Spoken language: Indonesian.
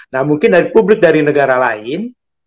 nah mungkin dari publik dari negara lain